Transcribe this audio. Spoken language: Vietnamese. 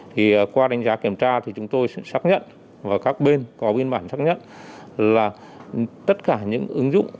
thì qua đánh giá kiểm tra thì chúng tôi sẽ xác nhận và các bên có biên bản sắc nhất là tất cả những ứng dụng